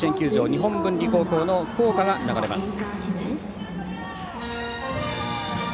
日本文理高校の校歌が流れます。